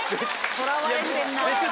とらわれてんな。